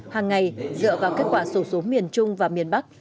hàng ngày dựa vào kết quả sổ số miền trung và miền bắc